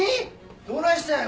どないしたんや！？